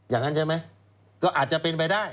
อย่างนั้นใช่ไหมก็อาจจะเป็นไปได้